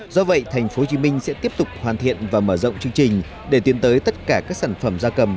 do vậy tp hcm sẽ tiếp tục hoàn thiện và mở rộng chương trình để tiến tới tất cả các sản phẩm da cầm